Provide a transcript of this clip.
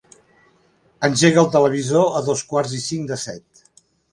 Engega el televisor a dos quarts i cinc de set.